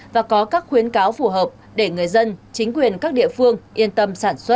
và có các khuyến cáo phù hợp để người dân chính quyền các địa phương yên tâm sản xuất